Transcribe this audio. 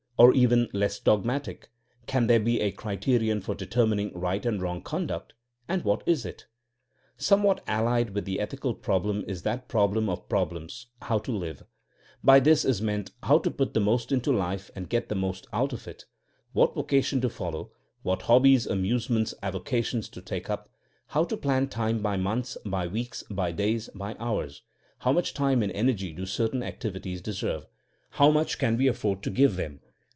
Or even less dog matic: Can there be a criterion for determin ing right and wrong conduct, and what is itf Somewhat allied with the ethical problem is that problem of problems : how to live t By this is meant how to put the most into life and get the most out of it ; what vocation to follow ; what hobbies, amusements, avocations to take up; how to plan time by months, by weeks, by days, by hours. How much time and energy do cer tain activities deserve? How much can we af ford to give them?